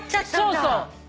そうそう。